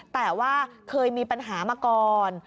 แต่ว่าเคยมีปัญหามาก่อน